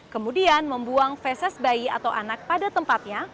kemudian membuang fesis bayi atau anak pada tempatnya